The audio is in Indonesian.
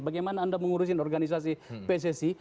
bagaimana anda mengurusin organisasi pssi